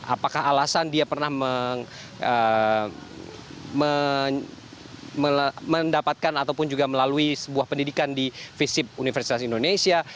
apakah alasan dia pernah mendapatkan ataupun juga melalui sebuah pendidikan di visip universitas indonesia